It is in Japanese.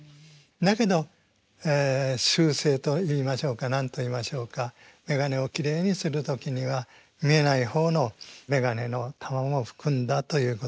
だけど習性といいましょうか何と言いましょうか眼鏡をきれいにする時には見えない方の眼鏡の玉も拭くんだということで。